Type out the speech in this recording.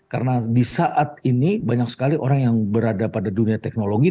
karena di saat ini banyak sekali orang yang berada pada dunia teknologi